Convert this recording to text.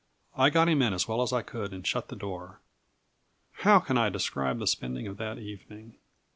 I got him in as well as I could, and shut the door. How can I describe the spending of that evening?